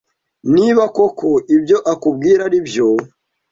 niba koko ibyo akubwira ari byo